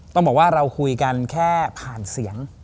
ต้องบอกว่าเราคุยกันแค่ผ่านเสียง